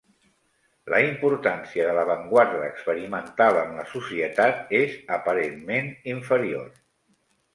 La importància de l'avantguarda experimental en la societat és aparentment inferior.